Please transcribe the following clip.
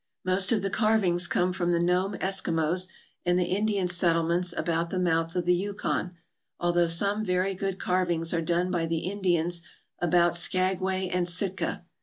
Most of the carvings come from the Nome Eskimos and the Indian settlements about the mouth of the Yukon, al though some very good carvings are done by the Indians about Skagway and Sitka.